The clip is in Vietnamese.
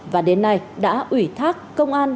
và đến nay đã ủy thác công an